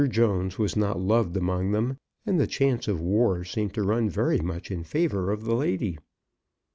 Jones was not loved among them, and the chance of war seemed to run very much in favour of the lady.